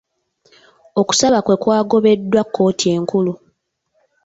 Okusaba kwe kwagobeddwa kkooti enkulu.